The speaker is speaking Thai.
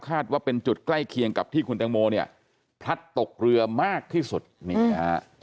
ว่าเป็นจุดใกล้เคียงกับที่คุณแตงโมเนี่ยพลัดตกเรือมากที่สุดนี่นะฮะ